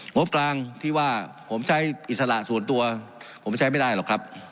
งบกลางที่ว่าผมใช้อิสระส่วนตัวผมใช้ไม่ได้หรอกครับ